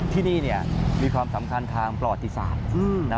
ที่นี่มีความสำคัญทางประวัติศาสตร์